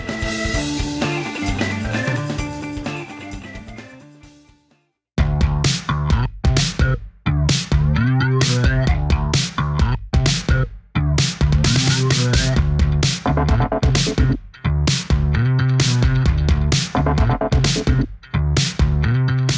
กับถึงวันนี้